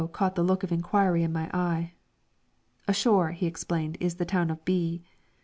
caught the look of inquiry in my eye. "Ashore," he explained, "is the town of B